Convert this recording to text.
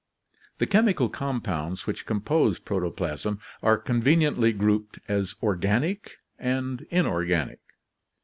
The chemical compounds which compose protoplasm are con veniently grouped as organic and inorganic.